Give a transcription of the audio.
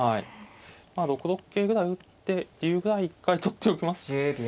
まあ６六桂ぐらい打って竜ぐらい一回取っておきますか。